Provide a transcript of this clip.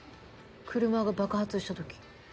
車が爆発した時。